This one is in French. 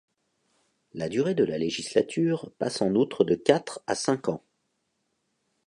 La durée de la législature passe en outre de quatre à cinq ans.